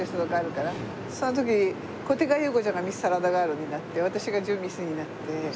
その時古手川祐子ちゃんがミス・サラダガールになって私が準ミスになって。